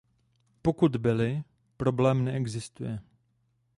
Pokud byly, problém neexistuje.